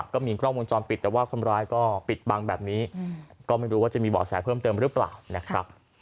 ก็มีกล้องวงจรปิดแต่ว่าคนร้ายก็ปิดบังแบบนี้ก็ไม่รู้ว่าจะมีบ่อแสเพิ่มเติมหรือเปล่านะครับ